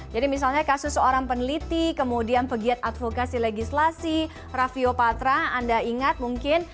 jadi misalnya kasus seorang peneliti kemudian pegiat advokasi legislasi rafiopatra anda ingat mungkin